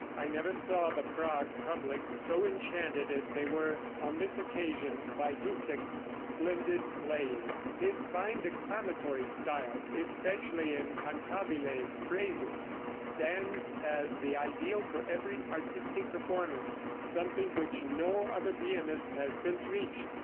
I never saw the Prague public so enchanted as they were on this occasion by Dussek's splendid playing. His fine declamatory style, especially in cantabile phrases, stands as the ideal for every artistic performance something which no other pianist since has reached.